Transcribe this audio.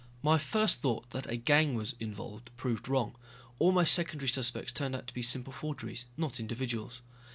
My first thought that a gang was involved proved wrong. All my secondary suspects turned out to be simple forgeries, not individuals.